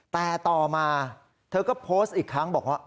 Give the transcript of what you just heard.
แต่ต่อมาเธอก็โพสต์อีกครั้งบอกว่า